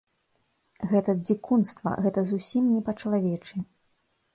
Гэта дзікунства, гэта зусім не па-чалавечы.